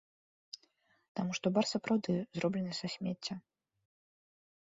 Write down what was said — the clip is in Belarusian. Таму што бар сапраўды зроблены са смецця.